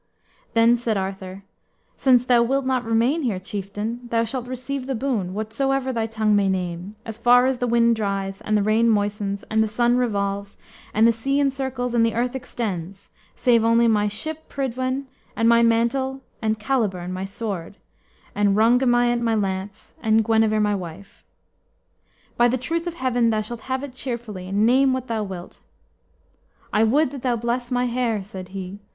Then said Arthur, "Since thou wilt not remain here, chieftain, thou shalt receive the boon, whatsoever thy tongue may name, as far as the wind dries, and the rain moistens, and the sun revolves, and the sea encircles, and the earth extends; save only my ship Prydwen, and my mantle, and Caliburn, my sword, and Rhongomyant, my lance, and Guenever, my wife. By the truth of Heaven, thou shalt have it cheerfuly, name what thou wilt." "I would that thou bless my hair," said he.